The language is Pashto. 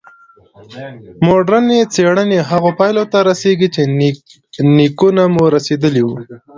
مډرني څېړنې هغو پایلو ته رسېږي چې نیکونه مو رسېدلي وو.